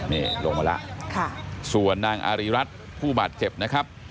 นี่ลงมาแล้วส่วนนางอารีรัฐผู้บาดเจ็บนะครับ